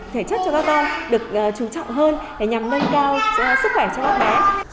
thể chất cho các con được chú trọng hơn để nhằm nâng cao sức khỏe cho các bé